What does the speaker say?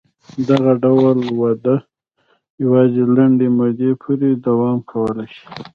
دغه ډول وده یوازې لنډې مودې پورې دوام کولای شي.